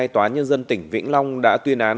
tòa nhân dân tỉnh vĩnh long đã tuyên án